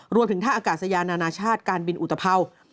รวมถึงท่าอากาศยานานาชาติการบินอุตพร่าว